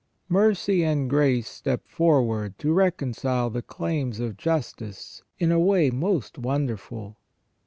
Mercy and Grace step forward to reconcile the claims of Justice in a way most wonderful.